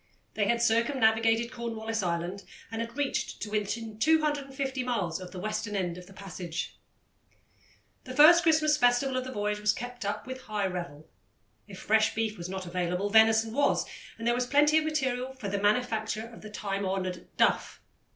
They had circumnavigated Cornwallis Island and had reached to within 250 miles of the western end of the passage. The first Christmas festival of the voyage was kept up with high revel. If fresh beef was not available, venison was, and there was plenty of material for the manufacture of the time honoured "duff."